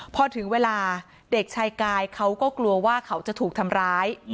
พอถึงเวลาเด็กชายกายเขาก็กลัวว่าเขาจะถูกทำร้าย